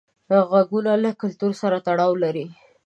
غږونه له کلتور سره تړاو لري.